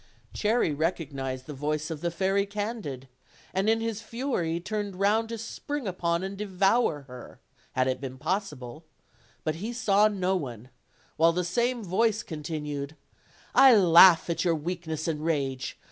Cherry recog nized the voice of the Fairy Candid, and in his fury turned round to spring upon and devour her, had it been possible; but he saw no one, while the same voice con tinued: "I laugh at your weakness and rage.